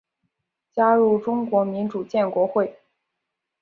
加入中国民主建国会。